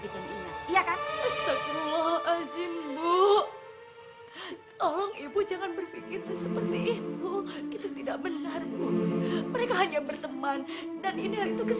kalian bertiga bawa obatnya gak